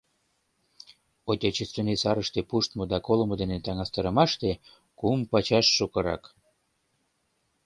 Отечественный сарыште пуштмо да колымо дене таҥастарымаште — кум пачаш шукырак.